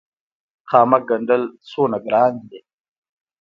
خامک ګنډل څومره ګران دي؟